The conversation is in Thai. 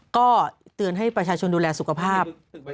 ก็เตือนให้ประชาชนดูแลสุขภาพ